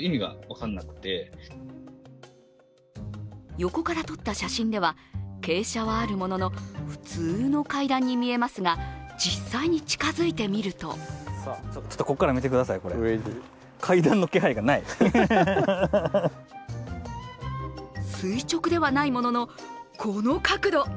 横から撮った写真では傾斜はあるものの、普通の階段に見えますが実際に近づいてみると垂直ではないもののこの角度。